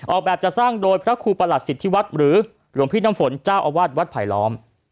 ออกแบบจะสร้างโดยพระครูประหลัดสิทธิวัฒน์หรือหลวงพี่น้ำฝนเจ้าอาวาสวัดไผลล้อม